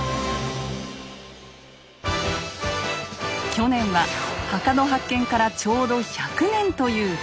去年は墓の発見からちょうど１００年という節目の年。